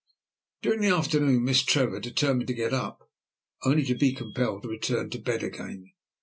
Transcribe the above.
During the afternoon Miss Trevor determined to get up, only to be compelled to return to bed again.